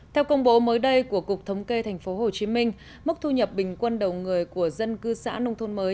theo công bố mới đây của cục thống kê thành phố hồ chí minh mức thu nhập bình quân đầu người của dân cư xã nông thôn mới